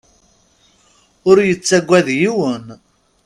Ur yettagad yiwen.